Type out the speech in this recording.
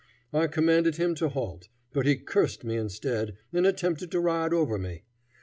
I commanded him to halt, but he cursed me instead, and attempted to ride over me.